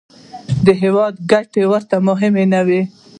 د هېواد ګټې ورته مهمې نه وې.